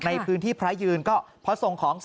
ในพื้นที่พระยืนก็พอส่งของ